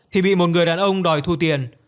thì bị một người đàn ông đòi thu tiền